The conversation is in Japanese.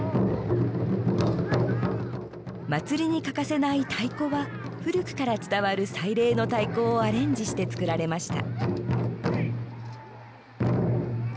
祭りに欠かせない太鼓は古くから伝わる祭礼の太鼓をアレンジして作られました。